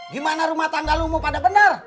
gimana rumah tangga lu mau pada benar